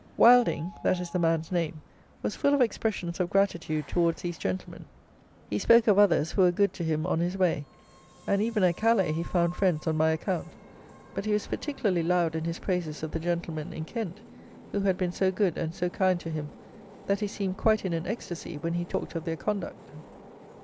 Wilding (that is the man's name) was full of expressions of gratitude towards these gentlemen. He spoke of others who were good to him on his way; and even at Calais he found friends on my account; but he was particularly loud in his praises of the gentlemen in Kent, who had been so good and so kind to him, that he seemed quite in an extasy when he talked of their conduct.